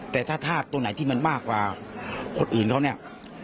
แต่ถ้าธาตุตรงไหนที่มันมากกว่าคนอื่นเขาเนี่ย